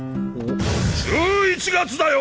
１１月だよ！